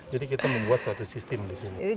jadi kita membuat satu sistem di sini